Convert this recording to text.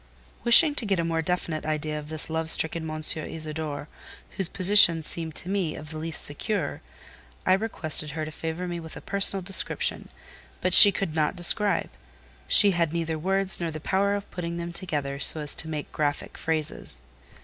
Wishing to get a more definite idea of this love stricken M. Isidore; whose position seemed to me of the least secure, I requested her to favour me with a personal description; but she could not describe: she had neither words nor the power of putting them together so as to make graphic phrases.